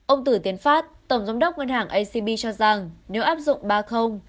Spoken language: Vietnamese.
ông tử tiến phát tổng giám đốc ngân hàng acb cho rằng nếu áp dụng ba